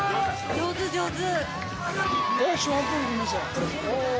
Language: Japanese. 上手上手。